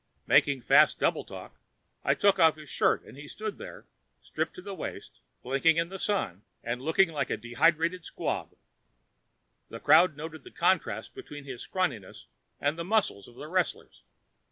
Making fast double talk, I took off his shirt and he stood there, stripped to the waist, blinking in the sun and looking like a dehydrated squab. The crowd noted the contrast between his scrawniness and the muscles of the wrestlers.